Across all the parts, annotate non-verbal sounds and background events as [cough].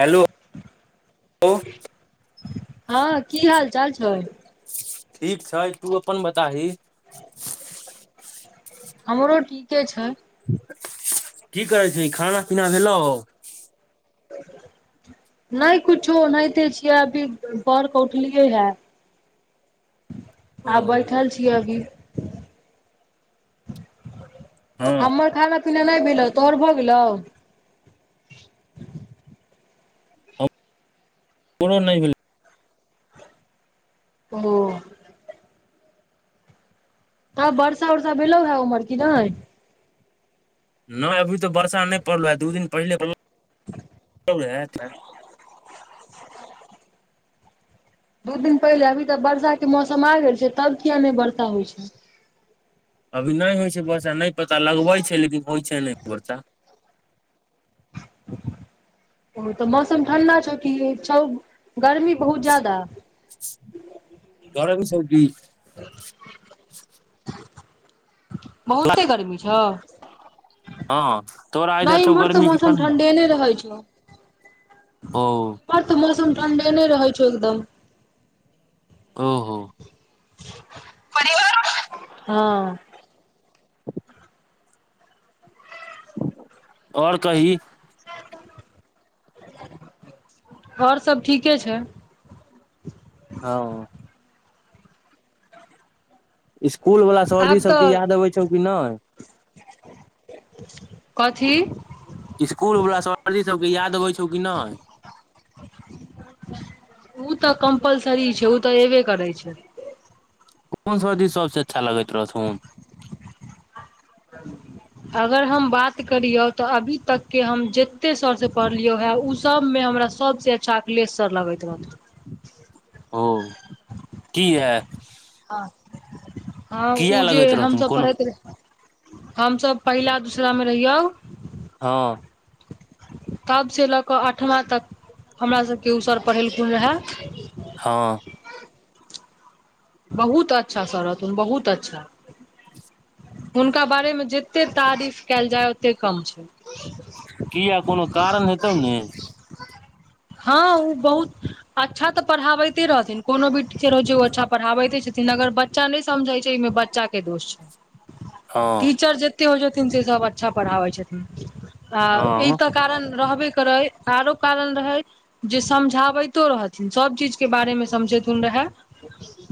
Hello लो। हँ की हाल चाल छै। ठीक छै तू अपन बताही। हमरो ठीके छै। की करै छी खाना पीना भेलौ? नहि कुछो ओनाहिये छिय अभी पैर कऽ उठलियै है। आ बैठल छीयै अभी। हँ हमर खाना पीना नहि भेलौ तोहर भऽ गेलौ। हमरो नहि भेलै। ओ। तब वर्षा वर्षा भेलेलो ह उमहर की नय। नहि अभी तो वर्षा नहि पड़लो है दू दिन पहिले [inaudible] [inaudible] दू दिन पहिले अभी तऽ वर्षा के मौसम आ गेल छै तब किया नहि वर्षा होइ छै। अभी नहि होइ छै वर्षा नहि पता लगबै छै लेकिन होइ छै नहि बर्षा। ओ तऽ मौसम ठण्डा छौ कि छौ गर्मी बहुत जादा। [inaudible] बहुते गर्मी छौ। हँ तोरा नहि इधर छौ इमहर तऽ गर्मी की मौसम ठण्डा ठण्डेने रहै छौ। ओ। इमहर तऽ मौसम ठण्डेने रहै छौ एकदम। ओहो। हँ। और कही। और सब ठीके छै। हँ। इसकूल वाला सरजी आब सबके तऽ याद अबे छौ कि नहि। कथी। इस्कूल वला सरजी सबके याद अबै छौ की नै। उ तऽ कम्पलसरी छै उ तऽ एबे करै छै। कोन सर सबसँ अच्छा लगैत रहथुन। अगर हम बात करियौ तऽ अभी तक के हम जत्ते सर सऽ पढ़लियौ हे उ सबमें हमरा सबसे अच्छा अखलेश सर लगैत रहथुन। ओ किहेत? हँ-हँ उ जे लगैत रहथुन हमसब कोनो पढ़ैत रैह। हमसब पहिला-दूसरा में रहियौ। हँ तब से लऽक अठमा तक हमरा सबके उ सर पढ़ेलखुन हे। हँ। बहुत अच्छा सर रहथुन बहुत अच्छा। हुनका बारे में जेते तारीफ कैल जाय ओते कम छै। किया कोनो कारण हेतौ ने। हँ उ बहुत। अच्छा तऽ पढ़ाबैते रहथिन कोनो भी टीचर होय छै ओ अच्छा पढ़ाबैते छथिन अगर बच्चा नै समझै छै बच्चा के दोष। हँ टीचर जत्ते होय छथिन से सब अच्छा पढ़ाबै छथिन आ एहि हँ तऽ कारण रहबे करै आरो कारण रहै। जे समझाबैतो रहथिन सभ चीजके बारे में समझैतुन रहे।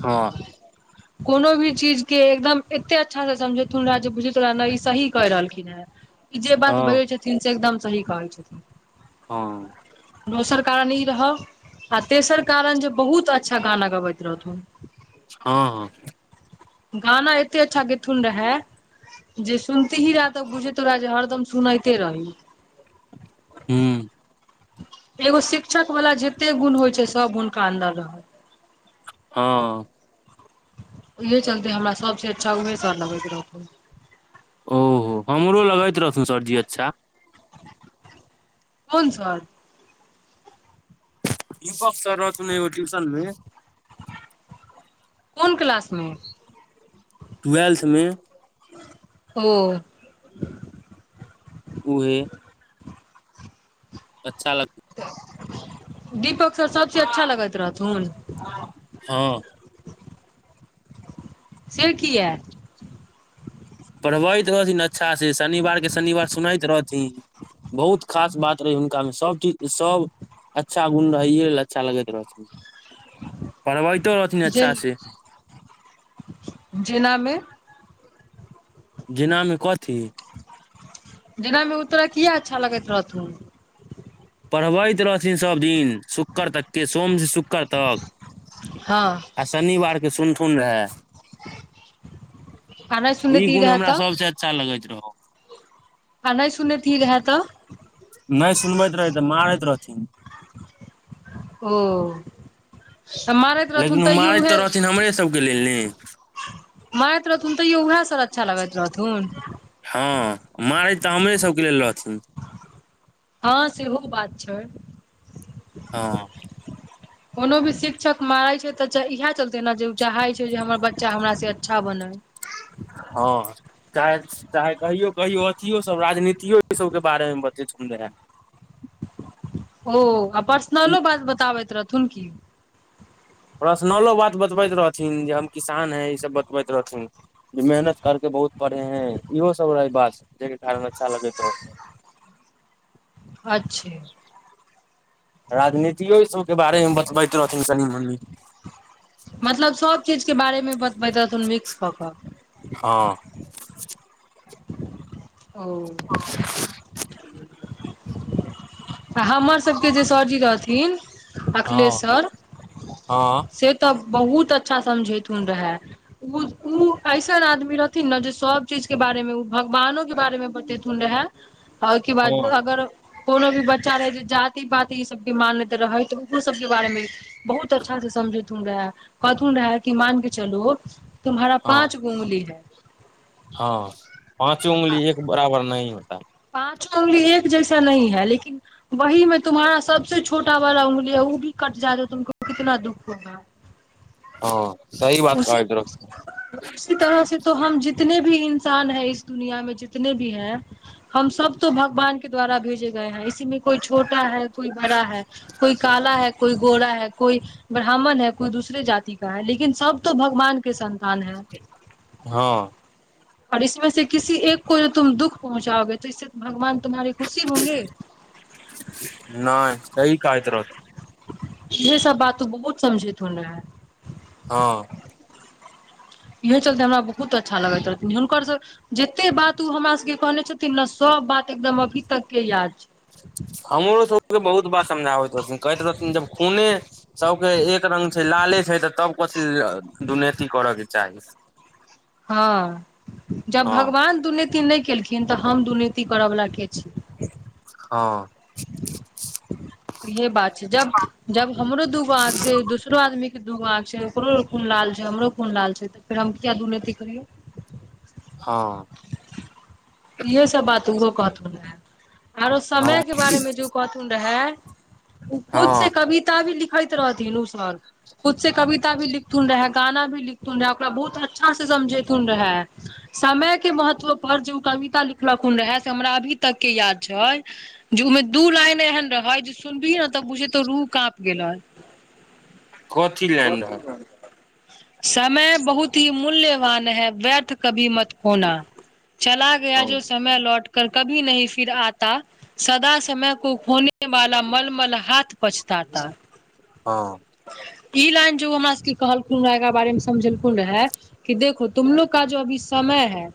हँ कोनो भी चीज के एकदम एत्ते अच्छा सऽ समझेथुन राज जे बुझी तोरा अंदर ई सही कैह रहलखिन हऽ। ई जे बात हँ बजै छथिन से एकदम सही कहै छथिन। हँ। दोसर कारण ई रहौ आ तेसर कारण जे बहुत अच्छा गाना गबैत रहथुन। हँ-हँ। गाना एते अच्छा गेथुन रहे। जे सुनती ही रहा तो बुझैतो तोरा जे हरदम सुनैते रही। हूं। एगो शिक्षक वला जत्ते गुण होइ छै सब हुनका अन्दर रहै। हँ। उहे चलते हमरा सबसे अच्छा उहे सर लगैत रहथुन। ओ हमरो लगैत रहथुन सर जी अच्छा। कोन सर? दीपक सर रहथुन एगो ट्यूशन में। कोन क्लास में? टुएल्थ में। ओ। उहे अच्छा लगत। दीपक सर सबसे अच्छा लगैत रहथुन? हँ। से किया? पढ़बैत रहथिन अच्छा से शनिवार के शनिवार सुनैत रहथिन। बहुत खास बात रहै हुनका में सब चीज सब। अच्छा गुण रहै इहे लऽ अच्छा लगैत रहथिन पढ़बैतो रहथिन जे अच्छा से। जेना में? जेना में कथी? जेना में ऊ तोरा किये अच्छा लगैत रहथुन पढ़बैत रहथिन सब दिन शुक्कर तक के सोम से शु क्कर तक हँ आ शनिवार के सुनथुन रहै। आ नहि ई सुनैत गुण रहै हमरा तऽ सबसे अच्छा लगैत रहौ। आ नै सुनेथी रहै तऽ नै सुनबैत रहै तऽ मारैत रहथिन ओ तऽ मारैत रहथुन लेकिन ओ तैयो मारैत उहे तऽ रहथिन हमरे सबके लेल ने मरैत रहथुन तयौ उहै सर अच्छा लगैत रहथुन हँ मारैत तऽ हमरे सबके लेल रहथिन हँ सेहो बात छै। हँ कोनो भी शिक्षक मारै छै तऽ च इहै चलते तेना जे उ चाहै छै जे हमर बच्चा हमरा से अच्छा बनै हँ चाहे-चाहे कहियौ-कहियौ अथियो सब राजनीतियो ई सबके बारे में बतेथुन रहै ओ आ ई पर्सनलो बात बताबैत रहथुन की पर्सनलो बात बतबैत रहथिन जे हम किसान है ईसब बतबैत रहथिन कि मेहनत करके बहुत पढ़े हैं इहो सब रहै बात जै के कारण अच्छा लगैत रहथुन अच्छे राजनीतियो ई सबके बारे में बतबैत रहथिन कनि-मनि मतलब सब चीज के बारे में बतबैत रहथुन मिक्स कऽ-कऽ हँ ओ आ हमर सबके जे सर जी रहथिन अखिलेश हँ सर हँ से तऽ बहुत अच्छा समझेथुन रहै उ-उ ऐसन आदमी रहथिन न जे सब चीज के बारे में उ भगवानो के बारे में बतेथुन रहै ओय के बाद हँ अगर कोनो भी बच्चा रहै जे जाति-पाति ई सब भी मानैत रहै तऽ उहो सबके बारे में बहुत अच्छा से समझैथुन रहै कहथुन रहै कि मान के चलो हँ [unintelligible] [unintelligible] [unintelligible] [unintelligible] हँ सही बात उसी कहैत रह [unintelligible] [unintelligible] [unintelligible] [unintelligible] हँ [unintelligible] [unintelligible] नैय सही कहैत रह ईहे सब बात ओ बहुत समझैथुन रहै हँ इहे चलते हमरा बहुत अच्छा लगैत रहथिन हुनकर सभ जत्ते बात उ हमरा सबके कहने छथिन न सब बात एकदम अभी तक के याद छै। हमरो सबके बहुत बात समझाबैत रहथिन कहैत रहथिन जब खूने सबके एक रंग छै लाले छै तऽ सब कहतै जे दुनैती करऽ के चाही। [inaudible] हँ, जब हँ भगवान दुनैति नै केलखिन तऽ हम दुनैति करऽ वला के छी। हँ। [inaudible] इहे बात छै, जब जब हमरो दूगो आँख छै, दोसरो आदमी के दूगो आँख छै, ओकरो खून लाल छै, हमरो खुन लाल छै त फेर हम किया दूनेती करियौ। हं। इहे सब बात उहो कहथुन रहे, आरो समय हँ के बारे मे जे कहथुन रहे ओ खुद से हँ कविता भी लिखैत रहथिन उ सर। खुद से कविता भी लिखथून रहै गाना भी लिख रहे ओकरा बहुत अच्छा से समझेैतुन रहे, समय के महत्व पर ज ऊ कविता लिखलखुन रहे से हमरा अभी तक के याद छै जे उ मे दू लाइन एहन रहेै जे सुनबही ने तब बुझेतो रूह काँप गेलै। कथी लाइन रहै [unintelligible] समय बहुत ही मूल्यवान है व्यर्थ कभी मत खोना चला गया हँ जो समय लौट कर कभी नही फिर आता सदा समय को खोने वाला मलमल हाथ पछताता हँ ई लाइन ज ऊ हमरा सबके कहलखुन रहे एकरा बारे मे समझेलखुन रहे कि देखो तुमलोग का जो अभी समय है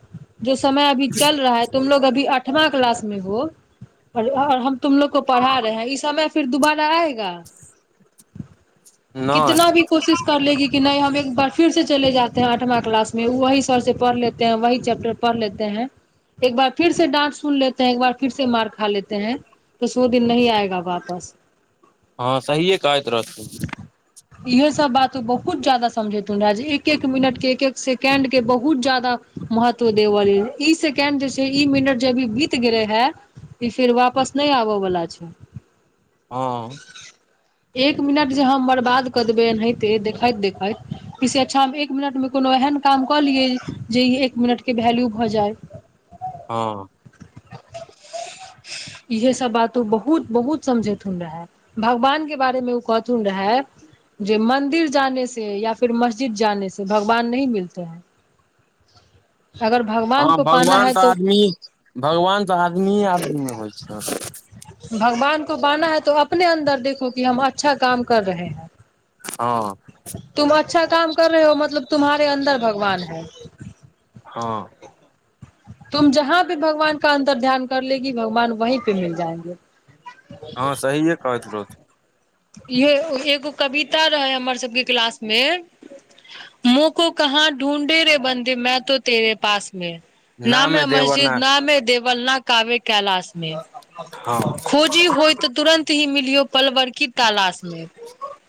जो समय अभी चल रहा है तुमलोग अभी अठवां क्लास में हो तुमलोग को पढ़ा रहे हैं ई समय फिर दुबारा आएगा कितना नहि भी कोशिश कर लेगी कि नहि हम एक बार फिर सँ चले जाते है आठमां क्लास मे वही सर सँ पढ़ लेते है वही चैपटर पढ़ लेते है, एक बार फिर से डाट सुन लेते है, एक बार फिर से मार खा लेते है, वस ओ दिन नही आएगा वापस। हँ सहिए कहैत रहथिन। [inaudible] इहे सब बात बहुत जादा समझेैतुन रहे जे एक एक मिनट के एक एक सेकेंड के बहुत जादा महत्व देवअ लेल ई सेकेंड जै छै ई मिनट जे अभी बीत गेलै है ई फिर वापस नै आबऽ बला छै। हँ। एक मिनट जे हम बर्बाद कऽ देबै एनाहिते देखैत देखैत इ से अच्छा हम एक मिनट मे कोनो एहन काम क लिये जे ई एक मिनट के वैल्यू भऽ जाय। हँ। इहे सब बात बहुत बहुत समझैतहुन रहै। भगवान के बारे मे ओ कहथुन रहै जे मंन्दिर जाने से या फिर मस्जिद जाने से भगवान नही मिलते है। अगर हँ को पाना भगवान है सऽ तो आदमी भगवान सऽ आदमीए आदमी मे होइ छै। भगवान को बाना है तो अपने अन्दर देखो कि हम अच्छा काम कर रहे है। हं। [unintelligible] हँ- [unintelligible] हँ सहिए कहत रहौत। इहे ए- एगो कवीता रहय हमर सबके क्लास मे, [unintelligible] नामे देवर ना हँ [unintelligible] [unintelligible]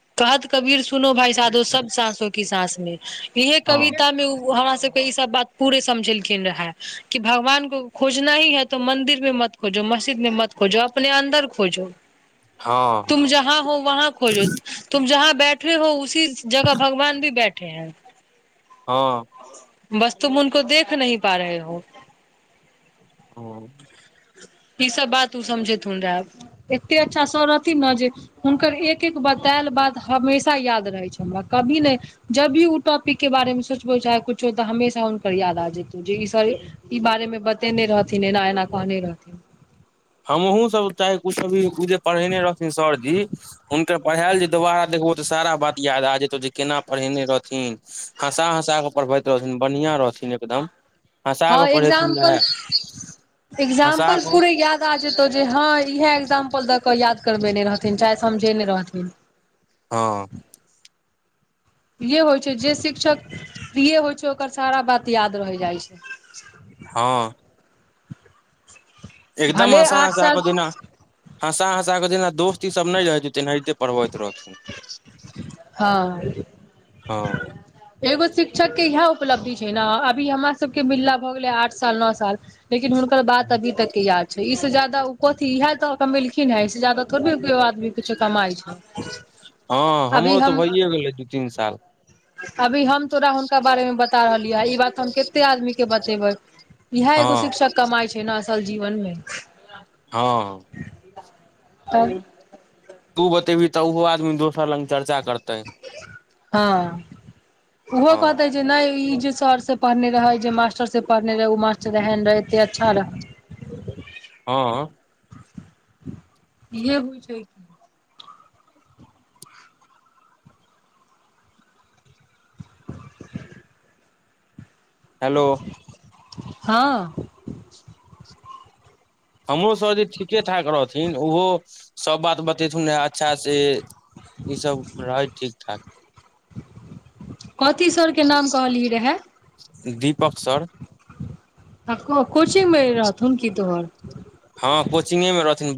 [unintelligible] इहे हँ कविता मे ऊ हमरा सबके ई सब के बात पूरे समझेलखिन रहै कि भगवान [unintelligible] [unintelligible] हँ [unintelligible] [unintelligible] हं। [unintelligible] [unintelligible] ई सब बात ओ समझेथुन रैऽ एत्ते अच्छा सर रहथिन न जे हुनकर एक एक बतैल बात हमेशा याद रहै छैय हमरा कभी नहि जब भी ओ टॉपिक के बारेमे सोचबो चाहे कुछो तऽ हमेशा हुनकर याद आ जेतौ जे ई सर ई बारे मे बतेने रहथिन एना एना कहने रहथिन। हमहुूँ सब चाहे कुछो भी उ जे पढ़ेने रहथिन सरजी हुनकर पढ़ायल जे दुबारा देखबो त सारा बात याद आ जेतौ जे कना पढ़ेने रहथिन। हँसा हँसा के पढ़बैत रहथिन बढ़िया रहथिन। एकदम हँसा हँ कऽ पढ़ेथिन एग्जाम्पल रैऽ, हँसा एग्जाम्पल पूरे कऽ। याद आ जेतौ जे हाँ इहे एगजाम्पल द क याद करबेने रहथिन चाहे समझेने रहथिन। हं। इहे होइ छैय जे शिक्षक प्रिये होइ छैय ओकर सारा बात याद रैह जाइ छैय। हं। एकदम भले हँसा आठ हँसा साल क दिना हँसा हँसा क जेना दोस्ती ई सब नय रहे छैय तेनाहिते पढ़बैत रहथुन्ह। हँ हं- [inaudible] एगो शिक्षक के इहैए उपलब्धि छैय न अभी हमरा सबके मिलला भऽ गेलै आठ साल नऽ साल लेकिन हुनकर बात अभी तक के याद इ से ज्यादा उ कथी इएहे ते कमेलखिनहें अयसे जादा थोड़बे कियो आदमी कुछो कमाइ छैय। हं हमरो तऽ भैइए गेलै दू -तीन साल अभी हम तोरा हुनका बारे मे बता रहलिय ई बात हम कत्ते आदमी के बतेबय। इहैए हँ एगो शिक्षक कमााय छैय ने असल जीवनमें। हं- [unintelligible] तु बतेभी तऽ ओहो आदमी दोसर लग चर्चा करतै। हाँ- उहो हँ कहतय नइ ई जे सर से पढ़ने रहैय जे मास्टर से पढ़ने रहे उ मास्टर एहन रहैय एत्ते अच्छा रहैय। हं- इहेएऽ बुझयकि हेलो। हँ। हमरो सरजी ठीके ठाक रहथिन ओहो सब बात बतेथुन अच्छा से। ई सब रहै ठीक ठाक। कथी सर के नाम कहलिय रहए? दीपक सर आ को-कोचि मे रहथुन की तोहर? हँ कोचिंगे मे रहथिन बा।